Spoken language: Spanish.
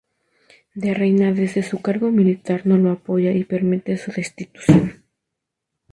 De Reina desde su cargo militar no lo apoya y permite su destitución.